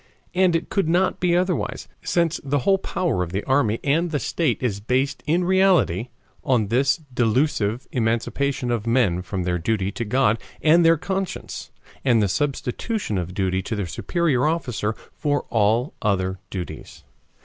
And it could not be otherwise, since the whole power of the army and the state is based in reality on this delusive emancipation of men from their duty to God and their conscience, and the substitution of duty to their superior officer for all other duties.